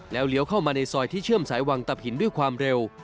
เลี้ยวเข้ามาในซอยที่เชื่อมสายวังตับหินด้วยความเร็ว